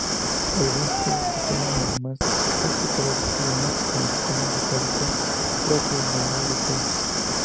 Algunos estudiosos postulan aún más, para explicar otros problemas en el sistema vocálico protoindoeuropeo.